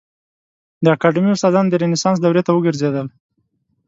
د اکاډمي استادان د رنسانس دورې ته وګرځېدل.